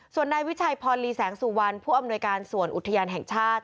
ส่วนนายวิชัยพรลีแสงสุวรรณผู้อำนวยการส่วนอุทยานแห่งชาติ